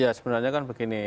ya sebenarnya kan begini